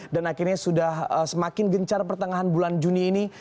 dan akhirnya sudah semakin gencar pertengahan bulan juni ini